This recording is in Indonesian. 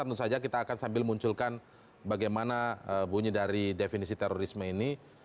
tentu saja kita akan sambil munculkan bagaimana bunyi dari definisi terorisme ini